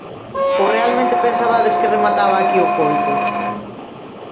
Ou realmente pensabades que remataba aquí o conto?